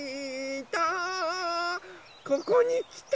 ここにきた！